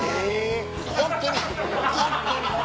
ホントにホントに。